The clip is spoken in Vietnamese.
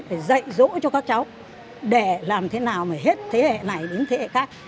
phải dạy dỗ cho các cháu để làm thế nào mà hết thế hệ này đến thế hệ khác